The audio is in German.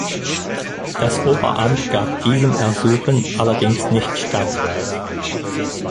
Das Oberamt gab diesem Ersuchen allerdings nicht statt.